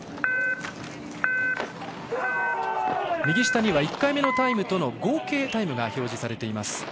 右下には１回目のタイムとの合計タイムが表示されています。